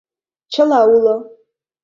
Чыла уло.